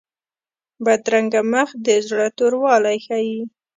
بدرنګه مخ د زړه توروالی ښيي